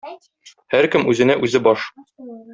Һәркем үзенә үзе баш.